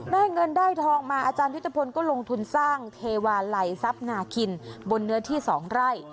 ได้เงินได้ทองมาอาจารยุทธพลก็ลงทุนสร้างเทวาลัยทรัพย์นาคินบนเนื้อที่๒ไร่